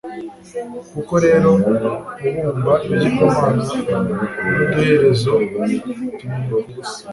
koko rero, ubumba ibigirwamana n'uduherezo tumeneka ubusa